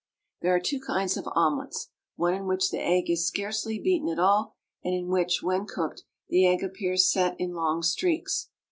There are two kinds of omelets, one in which the egg is scarcely beaten at all, and in which, when cooked, the egg appears set in long streaks.